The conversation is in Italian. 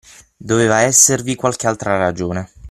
Doveva esservi qualche altra ragione.